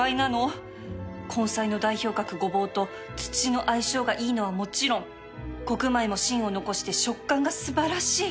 根菜の代表格ゴボウと土の相性がいいのはもちろん穀米も芯を残して食感が素晴らしい